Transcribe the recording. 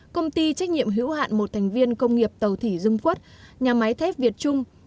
công ty trách nhiệm hữu hạn một thành viên công nghiệp tàu thủy dung quất nhà máy thép việt trung